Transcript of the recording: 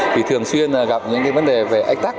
thì thường xuyên gặp những cái vấn đề về ách tắc